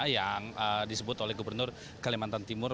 yang disebut oleh gubernur kalimantan timur